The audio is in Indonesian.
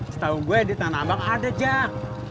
setahu gua di tanabang ada jak